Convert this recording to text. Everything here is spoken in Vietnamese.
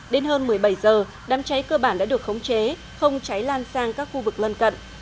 đến hơn một mươi bảy h đám cháy cơ bản đã được khống chế không cháy lan sang các khu vực lân cận